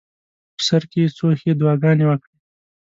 په سر کې یې څو ښې دعاګانې وکړې.